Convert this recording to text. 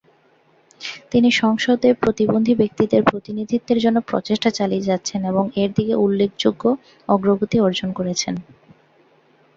তিনি সংসদে প্রতিবন্ধী ব্যক্তিদের প্রতিনিধিত্বের জন্য প্রচেষ্টা চালিয়ে যাচ্ছেন এবং এর দিকে উল্লেখযোগ্য অগ্রগতি অর্জন করেছেন।